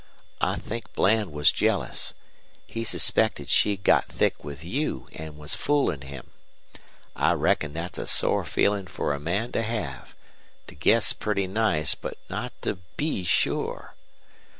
I think Bland was jealous. He suspected she'd got thick with you an' was foolin' him. I reckon thet's a sore feelin' fer a man to have to guess pretty nice, but not to BE sure.